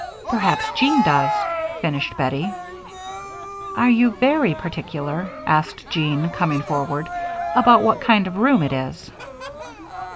"Perhaps Jean does," finished Bettie. "Are you very particular," asked Jean, coming forward, "about what kind of room it is?"